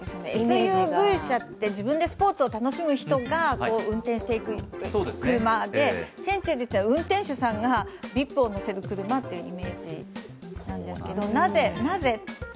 ＳＵＶ車って自分でスポーツを楽しむ人が運転していく車でセンチュリーというのは運転手さんがＶＩＰを乗せる車というイメージなんですけど、なぜって。